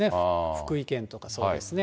福井県とかそうですね。